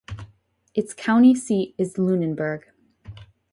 Its county seat is Lunenburg.